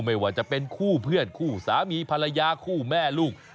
ไม่ว่าจะเป็นคู่เพื่อนคู่สามีภรรยาคู่แม่ลูก